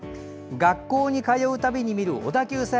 学校に通う度に見る小田急線。